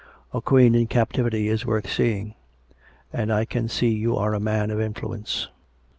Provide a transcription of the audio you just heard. A queen in captivity is worth seeing. And I can see you are a man of influence."